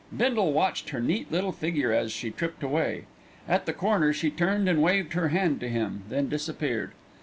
Bindle watched her neat little figure as she tripped away. At the corner she turned and waved her hand to him, then disappeared.